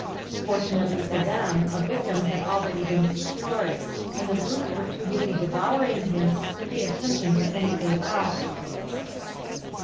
Fortunately for them, a victim had already been secured, and the brutes were too busy devouring him to pay attention to anything else.